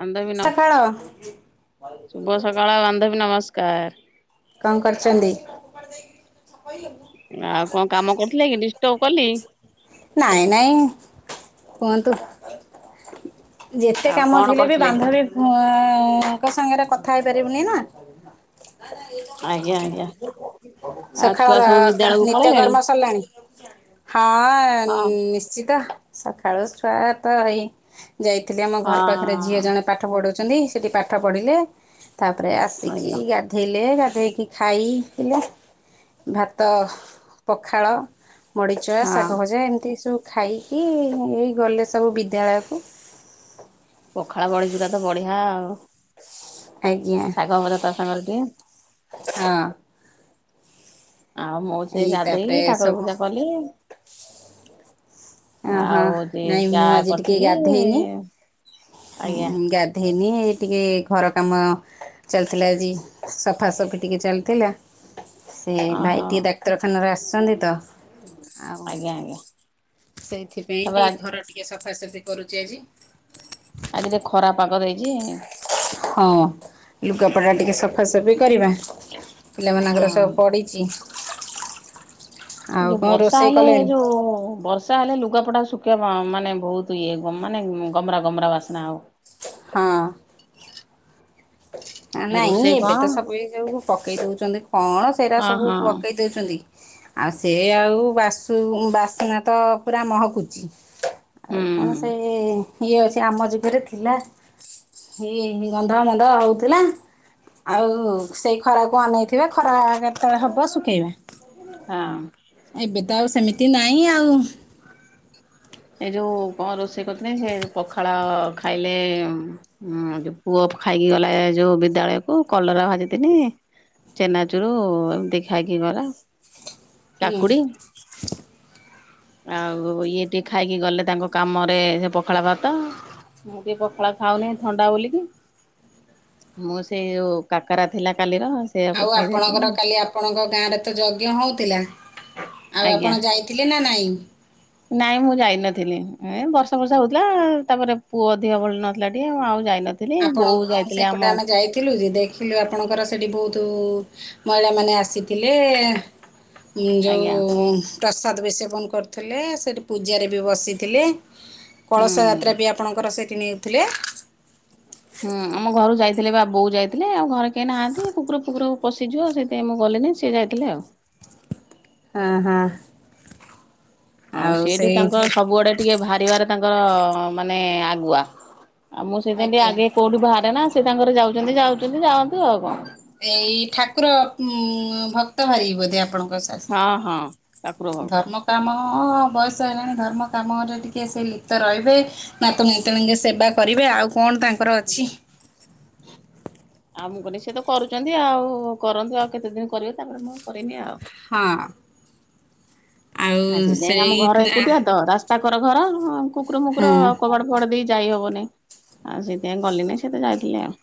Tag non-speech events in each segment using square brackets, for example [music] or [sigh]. ବାନ୍ଧବୀ ନ ସକାଳ ଶୁଭ ସକାଳ ବାନ୍ଧବୀ ନମସ୍କାର। କଣ କରୁଛନ୍ତି? ଆଉ କଣ କାମ କରୁଥିଲେ କି ଡିଷ୍ଟର୍ବ କଲି? ନାଇଁ ନାଇଁ କୁହନ୍ତୁ। ଯେତେ ଆଉ କାମ କଣ ଥିଲେ ବି କରୁଥିଲେ? ବାନ୍ଧବୀଙ୍କ ସାଙ୍ଗରେ କଥା ହେଇପାରିବୁନି ନା। ଆଜ୍ଞା ଆଜ୍ଞା। ଆଉ ଛୁଆ ସଖାଳର ସବୁ ବିଦ୍ୟାଳୟକୁ ନିତ୍ୟ ପଳେଇଲେଣି? କର୍ମ ସରିଲାଣି? ହଁ ହଁ ନିଶ୍ଚିତ। ସକାଳୁ ଛୁଆ ତ ହେଇ ଯାଇଥିଲି ଆମ ଘର ପାଖରେ ଝିଅ ହଁ ଜଣେ ପାଠ ପଢୁଛନ୍ତି। ସେଇଠି ପାଠ ପଢ଼ିଲେ। ତାପରେ ଆସିକି ଆଜ୍ଞା ଗା ଲେ ଗାଧେଇକି ଖାଇଥିଲେ ଭାତ ପଖାଳ ବଢି ଚୁରା ଶାଗ ହଁ ଭଜା ଏମିତି ସବୁ ଖାଇକି ଏଇ ଗଲେ ସବୁ ବିଦ୍ୟାଳୟକୁ। ପଖାଳ ବଢି ଚୁରା ତ ବଢିଆ ଆଉ, ଆଜ୍ଞା ଶାଗ ହଜା ତା ସାଙ୍ଗରେ ଟିକେ। ହଁ। ଆଉ ମୁଁ ସେ ଏଇ ତାପରେ ଗାଧେଇକି ଠାକୁର ସବୁ ପୂଜା କଲି। ଅହୋ ଆଉ ହଉଛି ନାଇଁ ଚା ମୁଁ ଆଜି ଟିକେ କରିଥିଲି ଗାଧେଇନି। ଆଜ୍ଞା ହଁ ଗାଧେଇନି ଟିକେ ଘର କାମ ଚାଲିଥିଲା ଆଜି ସଫା ସଫି ଟିକେ ଚାଲିଥିଲା। ସେ ଭାଇ ଓହୋ। ଟିକେ ଡାକ୍ତରଖାନାରୁ ଆସିଛନ୍ତି ତ, ଆଉ ଆଜ୍ଞା ଆଜ୍ଞା। ସେଇଥିପାଇଁ ତାପରେ ଟିକେ ଆଜି ଘର ଟିକେ ସଫାସଫି କରୁଛି ଆଜି। ଆଜି ଟିକେ ଖରା ପାଗ ଦେଇଛି। ହଁ, ଲୁଗାପଟା ଟିକେ ସଫାସଫି କରିବା। ପିଲାମାନଙ୍କର ହଁ। ସବୁ ପଡିିଚି ଚି ଯୋଉ ବର୍ଷା ରୋଷେଇ ହେଲେ କଲେଣି ଯୋଉ ବର୍ ତାହେଲେ ଲୁଗାପଟା ଶୁଖିବା ବା ମାନେ ବୋହୁତ୍ ଇଏ ମାନେ ଗମରା ଗମରା ବାସ୍ନା ହବ। ହଁ। ନାଇଁ ରୋଷେଇ କଣ ଏବେ ତ ସବୁ ଏ ଯୋଉ ପକେଇ ଦଉଛନ୍ତି କଣ, ସେଇଟା ହଁ ସବୁ ହଁ ପକେଇ ଦଉଛନ୍ତି ଆଉ ସେ ଆଉ ବାସୁ ବାସ୍ନା ତ ପୁରା ମହକୁଛି ଆଉ କଣ ହୁଁ ସେ ଇଏ ଅଛି ଆମ ଯୁଗରେ ଥିଲା ଇ ଗନ୍ଧ ମନ୍ଦ ହୋଉଥିଲା। ଆଉ ସେଇ ଖରାକୁ ଅନେଇଥିବା, ସେ ଖରା କେତେବେଳେ ହେବ ଶୁଖେଇବା ହଁ। ଏବେ ତ ଆଉ ସେମିତି ନାହିଁ ଆଉ। ଏ ଯୋଉ କଣ ରୋଷେଇ କରିଥିଲି ସେ ପଖାଳ ଖାଇଲେ ଉଁ ଯୋଉ ପୁଅ ଖାଇକି ଗଲା ଏ ଯୋଉ ବିଦ୍ୟାଳୟ କୁ କଲରା ଭାଜି ଥିନି ଚେନା ଚୁରୁ ଏମିତି ଖାଇକି ଗଲା, ହୁଁ କାକୁଡି ଆଉ ଇଏ ଟିକେ ଖାଇକି ଗଲେ ତାଙ୍କ କାମରେ ସେ ପଖାଳା ଭାତ। ମୁଁ ଟିକେ ପଖଳା ଖାଉନି ଥଣ୍ଡା ବୋଲିକି। ମୁଁ ସେଇ ଯୋଉ କାକରା ଥିଲା କାଲିର। ସେଇଆକୁ ଆଉ ଖାଇ ଦେଇଥିଲି ଆପଣଙ୍କର କାଲି ଆପଣଙ୍କ ଗାଁରେ ତ ଯଜ୍ଞ ହଉଥିଲା ଆଉ ଆଜ୍ଞା। ଆପଣ ଯାଇ ଥିଲେ ନା ନାଇଁ? ନାଇଁ ମୁଁ ଯାଇନଥିଲି। ଏ ବର୍ଷା ବର୍ଷା ହଉଥିଲା ତାପରେ ପୁଅ ଧିଅ ଭଲ ନଥିଲା ଟିକେ ମୁଁ ଆଉ ଯାଇନଥିଲି। ଆପଣ ବୋଉ ଯାଇଥିଲେ ଆମ ସେପଟେ ଆମେ ଯାଇଥିଲୁ ଯେ ଦେ ଥିଲୁ ଆପଣଙ୍କର ସେଠି ବହୁତୁ ମହିଳା ମାନେ ଆସିଥିଲେ। ଆଜ୍ଞା ଜୋଉଁ ପ୍ରସାଦ ବି ସେବନ କରୁଥିଲେ ସେଇଠି ପୂଜାରେ ବି ବସିଥିଲେ। ହୁଁ କଳସ ଯାତ୍ରା ବି ଆପଣଙ୍କର ସେଇଠି ନଉଥିଲେ। ହୁଁ ଆମ ଘରୁ ଯାଇଥିଲେ ବା ବୋଉ ଯାଇଥିଲେ ଆଉ ଘରେ କେହି ନାହାନ୍ତି କୁକୁର ଫୁକୁର ପଶିଯିବ ସେ ପାଇଁ ମୁଁ ଗଲିନି ସିଏ ଯାଇଥିଲେ ଆଉ। ହଁ ହଁ। ଆଉ ସିଏ ବି ତାଙ୍କର ସବୁ ଆଡେ ଟିକେ ବାହାରିବାରେ ତାଙ୍କ ମାନେ ଆଗୁଆ ଆଉ ମୁଁ ସେଇଥିପାଇଁ ଟିକେ ଆଜ୍ଞା। ଆଗ କୋଉଠି ବାହାରେ ନା ସେ ତାଙ୍କର ଯାଉଛନ୍ତି ଯାଉଛନ୍ତି ଯାଆନ୍ତୁ ଆଉ କଣ। ଏଇ ଠାକୁର ଉଁ ଭକ୍ତ ଭାରି ବୋଧେ ଆପଣ। ନୋ ସାର୍ ହଁ ହଁ ଠାକୁର ସାର୍ ଭକ୍ତ। ଧର୍ମ କ୍ କାମ ବୟସ ହେଲାଣି ଧର୍ମ କାମରେ ଟିକିଏ ସେ ଲିପ୍ତ ରହିବେ। ନାତନାତୁଣୀଙ୍କ ସେବା କରିବେ ଆଉ କଣ ତାଙ୍କର ଅଛି। [inaudible] ଆଉ ମୁଁ କଇନି ସେ ତ କରୁଛନ୍ତି ଆଉ କରନ୍ତୁ ଆଉ କେତେ ଦିନ କରିବେ ତାପରେ ମୁଁ କରିମୀ ଆଉ। ହଁ। ଆଉ ଆ ସେତପାଇଁ ଆମ ସେଇ ଘର ନା ଏକୁଟିଆ ତ ରାସ୍ତା କର ଘର କୁକୁର ହଁ ମୁୁକୁର କବାଟ୍ କବାଟ ଦେଇ ଯାଇ ହବନି ଆଉ ସେଥିପାଇଁ ଗଲିନି ସେତ ଯାଇଥିଲେ ଆଉ।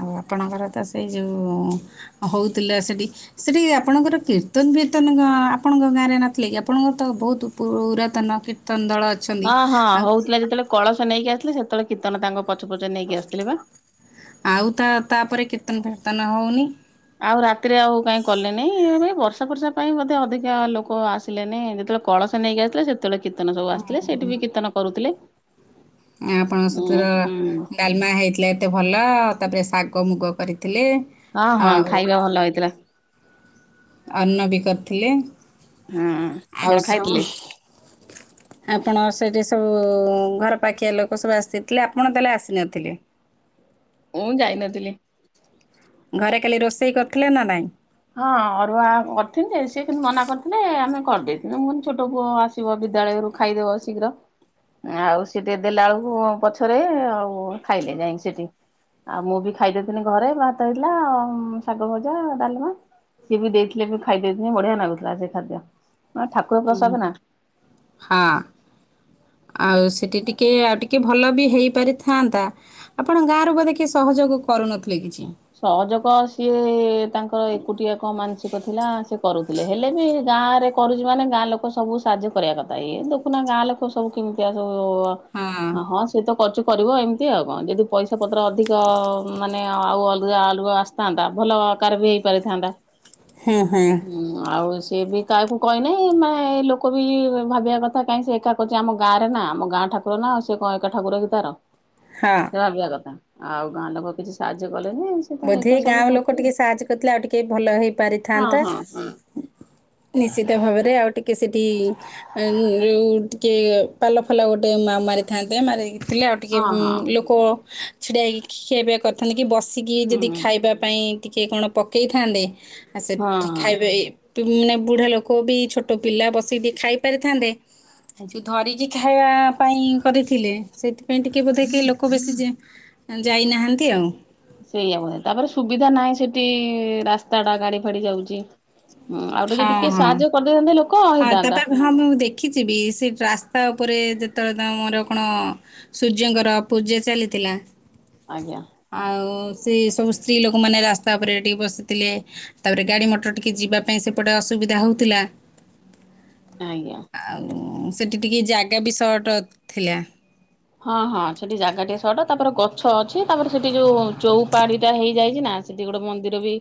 ଆଉ ଆପଣଙ୍କର ତ ସେଇ ଜୋଉଁ ହଉଥିଲା ସେଠି ସେଠି ଆପଣଙ୍କର କୀର୍ତ୍ତନ ଫିର୍ତ୍ତନ ଆପଣଙ୍କ ଗାଁରେ ନଥିଲା କି ଆପଣଙ୍କର ତ ବହୁତ ପୁରାତନ କୀର୍ତ୍ କୀର୍ତ୍ତନ ଦଳ ଅଛନ୍ତି ହଁ ହଁ ଆଉ ହଉଥିଲା ଯେତେବେଳେ କଳସ ନେଇକି ଆସଥିଲେ ସେତେବେଳେ କୀର୍ତନ ତାଙ୍କ ପଛ ପଛେ ନେଇକି ଆସିଥିଲେ ବା। ଆଉ ତା ତାପରେ କୀର୍ତ୍ତନ ଫିର୍ତ୍ତନ ହଉନି। ଆଉ ରାତିରେ ଆଉ କାଇଁ କଲେନି ଏଇ ବର୍ଷା ପର୍ଷା ପାଇଁ ବୋଧେ ଅଧିକା ଲୋକ ଆସ୍ ଦିଲେ ନେଇ ଯେତେବେଳେ କଳସ ନେଇକି ଆସିଥିଲେ ସେତେବେଳେ କୀର୍ତ୍ତନ ସବୁ ଆସିଥିଲେ ସେଠି ବି କୀର୍ତନ କରୁଥିଲେ। ଆପଣଙ୍କ ଉଁ ସେଥିର ହୁଁ ନି ଡାଲମା ହେଇଥିଲା ଏତେ ଭଲ ତାପରେ ଶାଗ ମୁଗ କରିଥିଲେ। ଆ ହଁ ଆଉ ଖାଇବା ଭଲ ହେଇଥିଲା। ଅର୍ଣ୍ଣ ବି କରିଥିଲେ ହଁ ଆପଣ ଆଉ ସବୁ ଖାଇଥିଲେ? ଆପଣ ସେଇଠି ସବୁ ଘର ପାଖିଆ ଲୋକ ସବୁ ଆସିଥିଲେ ଆପଣ ତାହେଲେ ଆସିନଥିଲେ। ମୁଁ ଯାଇନଥିଲି। ଘରେ କାଲି ରୋଷେଇ କରୁଥିଲେ ନା ନାଇଁ। ହଁ ଅରୁଆ କରିଥିନି ଯେ ସେ କିନ୍ତୁ ମନା କରିଥିଲେ ଆମେ କରିଦେଇଥିଲୁ ମୁଁ କନି ଛୋଟ ପୁଅ ଆସ୍ ଶିବ ବିଦ୍ୟାଳୟ ରୁ ଖାଇଦେବ ଶୀଘ୍ର। ଆଉ ସିଏ ଦେଇ ଦେଲା ବେଳକୁ ପଛରେ ଆଉ ଖାଇଲେ ଯାଇକି ସେଠି। ଆଉ ମୁଁ ବି ଖାଇଦେଇଥିନି ଘରେ ଭାତ ହେଇଥିଲା ଶାଗ ଭଜା ଡାଲିମା। ସିଏ ବି ଦେଇଥିଲେ ବି ଖାଇଦେଇଥିନି ବଢିଆ ଲାଗୁଥିଲା ସେ ଖାଦ୍ୟ। ଠାକୁର ହୁଁ, ପ୍ରସାଦ ନା ହଁ। ଆଉ ସେଠି ଟିକେ ଆଉ ଟିକେ ଭଲ ବି ହେଇପାରିଥାନ୍ତା। ଆପଣ ଗାଁରୁ ବୋଧେ କିଏ ସହଯୋଗ କରୁନଥିଲେ କିଛି। ସହଯୋଗ ସିଏ ତାଙ୍କର ଏକୁଟିଆ କଣ ମାନସିକ ଥିଲା ସେ କରୁଥିଲେ ହେଲେ ବି ଗାଁରେ କରୁଛି ମାନେ ଗାଁ ଲୋକ ସବୁ ସାହାଯ୍ୟ କରିବା କଥା ଇଏ ଦେଖୁନା ଗାଁ ଲୋକ ସବୁ କେମିତି ଆସବୁ ହଁ ସେ ତ କରୁଛି କରିବ ଏମିତି ଆଉ କଣ ଯଦି ପଇସା ପତ୍ର ଅଧିକ ମାନେ ଆଉ ଅଲ୍ ଗା ଅଲଗା ଆସିଥାନ୍ତା ଭଲ ଆକାର ବି ହେଇପାରିଥାନ୍ତା। ହଁ ହଁ। ହୁଁ ଆଉ ସିଏ ବି କାହାକୁ କହିନାହିଁ ମା ଲୋକ ବି ଭାବିବା କଥା କାହିଁ ସେ ଏକା କହୁଛି ଆମ ଗାଁରେ ନା ଆମ ଗାଁ ଠାକୁର ନାଉ ସେ କ ଏକା ଠାକୁର କି ତାର। ହଁ। ଭାବିନା କଥା। ଆଉ ଗାଁ ଲୋକ କିଛି ସାହାଯ୍ୟ କଲେନି। ସେ ତାର ବୋଧେ ଏକା ସବୁ ଗାଁ ଲୋକ କରୁଛି। ଟିକେ ସାହାଯ୍ୟ କରିଥିଲେ ଆଉ ଟିକେ ଭଲ ହେଇ ହଁ ପାରିଥାନ୍ତା। ହଁ ହଁ ନିଶ୍ଚିତ ଭାବରେ ଆଉ ଟିକେ ସେଠି ଉଁ ଯୋଉ ଟିକେ ପାଲ ଫାଲ ଟିକେ ମା ମାରିଥାନ୍ତେ ମାରିହେଇକିଥିଲେ ଅ ଟିକେ ହଁ ହଁ ଲୋକ ଛିଡ଼ା ହେଇକି ଖିଆ ପିଆ କରିଥାନ୍ତେ କି ବସିକି ହୁଁ ଯଦି ହୁଁ ଖାଇବା ପାଇଁ ଟିକେ କଣ ପକେଇଥାନ୍ତେ ଆଉ ସେଠି ହଁ ଖାଇବେ। ଟୁ ମାନେ ବୁଢା ଲୋକ ବି ଛୋଟ ପିଲା ବସିକି ଟିକେ ଖାଇ ପାରିଥାନ୍ତେ। ଯୋଉ ଧରିକି ଖାଇବା ପାଇଁ କରିଥିଲେ ସେଇଥିପାଇଁ ଟିକେ ବୋଧେ କେହି ଲୋକ ବେଶୀ ଯେ ଯାଇନାହାନ୍ତି ଆଉ। ସେଇଆବା ତାପରେ ସୁବିଧା ନାହିଁ ସେଠି ରାସ୍ତା ଟା ଗାଡି ଫାଡି ଯାଉଛି। ହୁଁ ଆଉ ଗୋଟେ ଟିକେ ହଁ ଟିକେ ହଁ ସାହାଯ୍ୟ କରିଦେଇଥାନ୍ତେ ଲୋକ ହଁ ହେଇଥାନ୍ତା ତାପରେ ହଁ ମୁଁ ଦେଖିଛିିବି ସେ ରାସ୍ତା ଉପରେ ଯେତେବେଳେ ତା ମୋର କଣ ସୂର୍ଯ୍ୟଙ୍କର ପୂଜା ଚାଲିଥିଲା। ଆଜ୍ଞା। ଆଉ ସେ ସବୁ ସ୍ତ୍ରୀ ଲୋକମାନେ ରାସ୍ତା ଉପରେ ଟିକେ ବସିଥିଲେ। ତାପରେ ଗାଡି ମଟର ଟିକେ ଯିବା ପାଇଁ ସେପଟେ ଅସୁବିଧା ହଉଥିଲା। ଆଜ୍ଞା। ଆଉ ସେଠି ଟିକେ ଜାଗା ବି ସର୍ଟ ଥିଲା। ହଁ ହଁ ସେଠି ଜାଗା ଟେ ସଟ ତାପରେ ଗଛ ଅଛି ତାପରେ ସେଠି ଯୋଉ ଚଉପାଡି ଟା ହେଇଯାଇଛି ନା ସେଠି ଗୋଟେ ମନ୍ଦିର ବି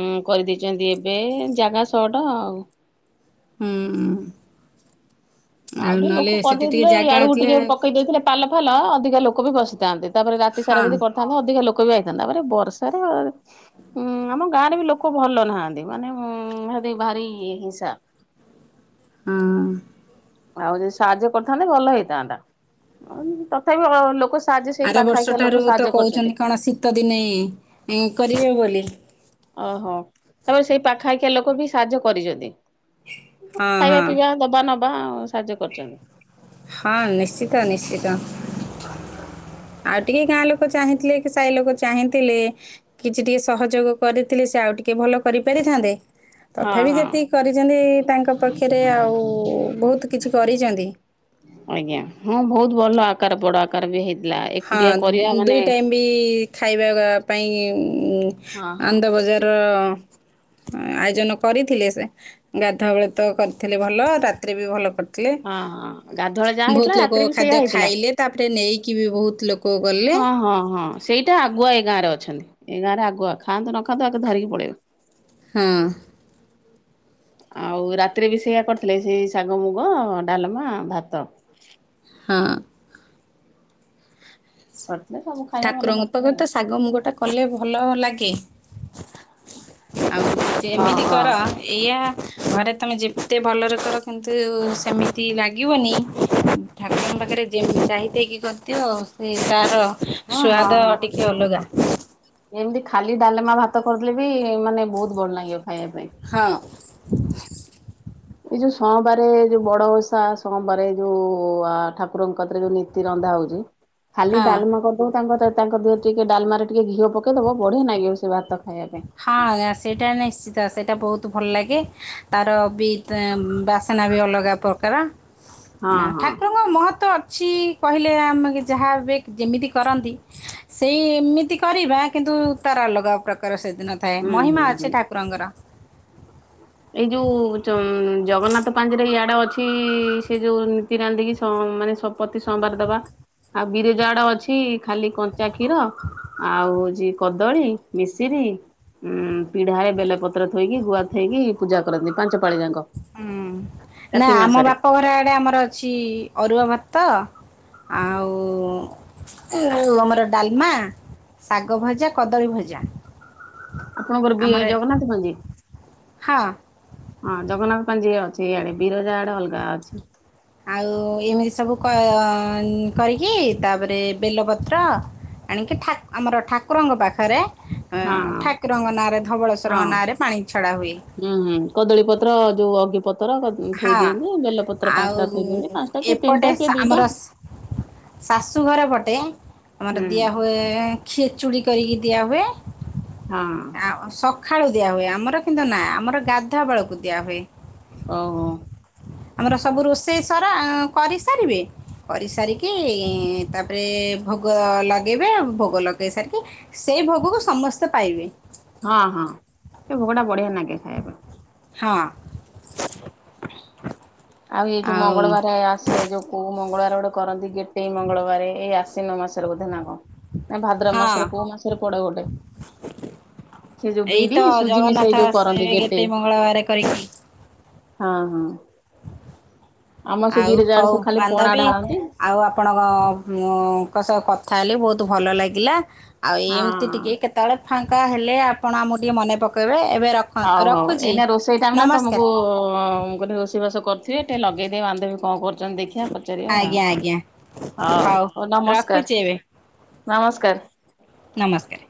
ଉଁ କରିଦେଇଛନ୍ତି ଏବେ ଜାଗା ସଟ ଆଉ। ହୁଁ ଉଁ। ଆଉ ଟିକେ ଲୋକ ସେଠି ଟିକେ କରିଦେଇଥିଲେ ଜାଗା ଇଆଡୁକୁ ଥିଲେ ଟିକେ ପକେଇ ଦେଇଥିଲେ ପାଲ ଫାଲ ଅଧିକା ଲୋକ ବି ବସିଥାନ୍ତେ ତାପରେ ରାତି ସାରା ହଁ ଯଦି ତାଠୁ ଅଧିକା ଲୋକ ବି ଆଇଥାନ୍ତେ ତାପରେ ବର୍ଷାରେ ହୁଁ ଆମ ଗାଁରେ ବି ଲୋକ ଭଲ ନାହାନ୍ତି ମାନେ ଭାରି ଭାରି ହିଂସା। ହୁଁ। ଆଉ ଯଦି ସାହାଯ୍ୟ କରିଥାନ୍ତେ ଭଲ ହେଇଥାନ୍ତା। ତଥାପି ଅ ଲୋକ ସାହାଯ୍ୟ ସେଇ ଆର ବର୍ଷ ପାଖଆଖିଆ ଲୋକ ଠାରୁ ତ ସାହାଯ୍ୟ କରିଛନ୍ତି କହୁଛନ୍ତି କଣ ଶୀତ ଦିନେ କରିବେ ବୋଲି। ଓହୋ ତାପରେ ସେଇ ପାଖା ଆଖିଆ ଲୋକ ବି ସାହାଯ୍ୟ କରିଛନ୍ତି। ହଁ ଖାଇବା ହଁ ପିଇବା ଦବା ନବା ଆଉ ସାହାଯ୍ୟ କରୁଛନ୍ତି। ହଁ ନିଶ୍ଚିତ ନିଶ୍ଚିତ। ଆଉ ଟିକେ ଗାଁ ଲୋକ ଚାହିଁଥିଲେ କି ସାହି ଲୋକ ଚାହିଁଥିଲେ କିଛି ଟିକେ ସହଯୋଗ କରିଥିଲି ସେ ଆଉ ଟିକିଏ ଭଲ କରିପାରିଥାନ୍ତେ। ହଁ ତଥାପି ହଁ। ଯେତିକି କରିଛନ୍ତି ତାଙ୍କ ପକ୍ଷରେ ଆଉ ବହୁତ କିଛି କରିଛନ୍ତି ଆଜ୍ଞା ହଁ ବହୁତ ଭଲ ଆକାର ବଡ ଆକାର ବି ହେଇଥିଲା ଏକ ହଁ ଦୁଇ ଟାଇମ୍ ବି ଖାଇବା ପାଇଁ ହଁ ହଁ ଆନନ୍ଦ ବଜାର ଆୟୋଜନ କରିଥିଲେ ସେ ଗାଧୁଆ ବେଳେ ତ କରିଥିଲେ ଭଲ ରାତିରେ ବି ଭଲ କରି ହଁ ହଁ ଗାଧୁଆଳେ ଯାହା ବହୁତ ହେଇଥିଲା ଲୋକ ରାତିରେ ବି ସେଇଆ ଖାଦ୍ୟ ହେଇଥିଲା। ଖାଇଲେ ତାପରେ ନେଇକି ବି ବହୁତ ଲୋକ ଗଲେ। ହଁ ହଁ ହଁ ସେଇଟା ଆଗୁଆ ଏଇ ଗାଁ ରେ ଅଛନ୍ତି। ଏଇ ଗାଁ ରେ ଆଗୁଆ ଖାଆନ୍ତୁ ନଖାଆନ୍ତୁ ଆଗେ ଧରିକି ପଳେଇବେ। ହଁ। [inaudible] ଆଉ ରାତିରେ ବି ସେଇୟା କରିଥିଲେ ସେଇ ଶାଗ ମୁଗ ଡାଲମା ଭାତ। ହଁ। କରିଥିଲେ ସବୁ ଖାଇବା ଭଲ ଠାକୁରଙ୍କ ପାଖରେ କରିଥିଲେ ତ ଆଉ। ଶାଗ ମୁଗଟା କଲେ ଭଲ ଲାଗେ ଆଉ ହଁ କେମିତି ହଁ କର? ଇଆ ଘରେ ତମେ ଯେ- ଜେତେ ଭଲରେ କର କିନ୍ତୁ ସେମିତି ଲାଗିବନି। ଠାକୁରଙ୍କ ପାଖରେ ଯେମିତି ଜାହିତାହିକି କରିଦିଅ ସେ ତାର ହଁ ଶୁଆଦ ହଁ ହଁ। ଟି ଟିକେ ଅଲଗା। ଏମିତି ଖାଲି ଡାଲେମା ଭାତ କରିଦଲେ ବି ମାନେ ବହୁତ ଭଲ ଲାଗିବ ଖାଇବା ପାଇଁ। ହଁ। ଏଇ ଯୋଉ ସୋମବାର ଯୋଉ ବଡ ଓଷା ସୋମବାର ଯୋଉ ଠାକୁରଙ୍କ କତିରେ ଯୋଉ ନୀତି ରନ୍ଧା ହଉଛି ଖାଲି ହଁ। ଡାଲମା କରିଦବ ତାଙ୍କ ତାଙ୍କ ଦେହ ଟିକେ ଡାଲମାରେ ଟିକେ ଘିଅ ପକେଇଦବ ବଢିଆ ନାଗିବ ସେ ଭାତ ଖାଇବା ପାଇଁ। ହଁ ସେଇଟା ନିଶ୍ଚିତ ସେଇଟା ବହୁତ ଭଲ ଲାଗେ ତାର ବି ବାସ୍ନା ବି ଅଲଗା। ପ୍ରକାର ହଁ ହଁ ଠାକୁରଙ୍କ ମହତ୍ଵ ଅଛି କହିଲେ ଆମ ଯାହା ଏବେ ଯେମିତି କରନ୍ତି ସେଇ ଏମିତି କରିବା କିନ୍ତୁ ତାର ଅଲଗା ପ୍ରକାର ସେଦିନ ଥାଏ, ହୁଁ ହୁଁ ମହିମା ହୁଁ ଅଛି ଠାକୁରଙ୍କର। ଏଇ ଯୋଉ ଜଗନ୍ନାଥ ପାଞ୍ଜିରେ ଇଆଡ ଅଛି ସେ ଯୋଉ ନିତି ରାନ୍ଦିକି ସମ ମାନେ ପତି ସୋମବାର ଦବା। ଆଉ ବିରେଜା ଆଡେ ଅଛି ଖାଲି କଞ୍ଚା କ୍ଷୀର ଆଉ ହଉଛି କଦଳୀ ମିସିରି ଉଁ ପିଢାରେ ବେଲପତ୍ର ଥୋଇକି ଗୁଆ ଥୋଇକି ପୂଜା କରନ୍ତି ପାଞ୍ଚ ପାଳି ଯାକ। ହୁଁ ନା ଆମ ବାପଘର ଆଡେ ଆମର ଅଛି ଅରୁଆ ଭାତ ଆଉ ଆମର ଡାଲମା, ଶାଗ ଭଜା, କଦଳୀ ଭଜା। ଆପଣଙ୍କର ବି ଆମର ଜଗନ୍ନାଥ ପାଞ୍ଜି? ହଁ ହଁ ଜଗନ୍ନାଥ ପାଞ୍ଜି ଅଛି ଇଆଡେ, ବିରଜା ଆଡେ ଅଲଗା ଅଛି। ଆଉ ଏମିତି ସବୁ କ କରିକି ତାପରେ ବେଲପତ୍ର ଆଣିକି ଠାକ୍ ଆମର ଠାକୁରଙ୍କ ପାଖରେ ଅ ହଁ ହଁ ଠାକୁରଙ୍କ ନାଁରେ ଧବଳେସ୍ୱରଙ୍କ ନାଁରେ ପାଣି ଛଡା ହୁଏ। ହୁଁ-ହୁଁ କଦଳୀ ପତ୍ର ଯୋଉ ଅଗି ପତର ଥୋଇ ହଁ ଦିଅନ୍ତି ବେଲପତ୍ର ଆଉ ପାଞ୍ଚଟା ଥୋଇଦିଅନ୍ତି ପାଞ୍ଚଟା କିଏ ଏପଟେ ତିନିଟା କିଏ ସା- ଆମର ଦିଇଟା ଶାଶୁଘର ପଟେ ଆମର ହୁଁ ଦିଆହୁଏ ଖିେଚୁଡ଼ି କରିକି ଦିଆହୁଏ। ହଁ। ସଖାଳୁ ଦିଆହୁଏ ଆମର କିନ୍ତୁ ନାଇଁ ଆମର ଗାଧୁଆ ବଳକୁ ଦିଆ ହଏ। ଓହୋ। ଆମର ସବୁ ରୋଷେଇ ସାରା କରିସାରିବେ। କରିସାରିକି ତାପରେ ଭୋଗ ଲଗେଇବେ, ଭୋଗ ଲଗେଇ ସାରିକି ସେଇ ଭୋଗକୁ ସମସ୍ତେ ପାଇବେ। ହଁ ହଁ ସେ ଭୋଗଟା ବଢିଆ ନାଗେ ଖାଇବା ପାଇଁ। ହଁ। ଆଉ ଏଇ ଯୋଉ ମଙ୍ଗଳବାରେ ଆସେ ଯୋଉ କୋଉ ମଙ୍ଗଳବାରେ ଗୋଟେ କରନ୍ତି ଗେଟେଇ ମଙ୍ଗଳବାରେ, ଏଇ ଆସିନ ମାସ। ବୋଧେ ନା କଣ ନା ଭାଦ୍ର ହଁ ମାସରେ କୋଉ ମାସରେ ପଡେ ଗୋଟେ। ସେ ଯୋଉ ଏଇ ତ ବିରି ସୁଜି ଜଗନ୍ନାଥ ମିଶେଇ ଯୋଉ କରନ୍ତି ଆସିବେ କେତେ ଗେଟେଇ। ମଙ୍ଗଳବାର କରିକି ହଁ-ହଁ। ଆଉ ଆଡେ ହଉ ସବୁ ଖାଲି ପଣା ବାନ୍ଧବି ଢାଳନ୍ତି। ଆଉ ଆ ଆପଣଙ୍କଙ୍କ ସହ କଥା ହେଲି ବହୁତୁ ଭଲ ଲାଗିଲା, ଆଉ ହଁ। ଏମିତି ଟିକେ କେତେ ସକାଳେ ଫାଙ୍କା ହେଲେ ଆପଣ ଆମକୁ ଟିକେ ମନେ ପକେଇବେ, ଏବେ ରଖ ହଉ ହଉ ରଖୁଛି ଏଇନା ରୋଷେଇ ଟାଇମ୍ ନା ନମସ୍କାର ତମକୁ ମୁଁ କହିଲି ରୋଷେ ସେଇ ବାସ କରୁଥିବେ ଟିକେ ଲଗେଇଦିଏ ବାନ୍ଧବି କଣ କରୁ ଚନ୍ତି ଦେଖିଆ ପଚାରିବା ଆଜ୍ଞା ଆଜ୍ଞା ହଉ ହଉ-ହଉ ନମସ୍କାର୍। ରଖୁଛି ନମସ୍କାର୍। ନମସ୍କାରେ।